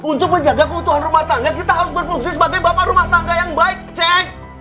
untuk menjaga keutuhan rumah tangga kita harus berfungsi sebagai bapak rumah tangga yang baik cek